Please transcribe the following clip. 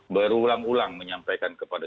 berulang ulang menyampaikan kepada